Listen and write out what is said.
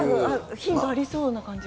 ヒントありそうな感じが。